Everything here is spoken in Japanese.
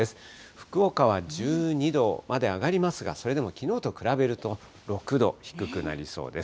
福岡は１２度まで上がりますが、それでもきのうと比べると６度低くなりそうです。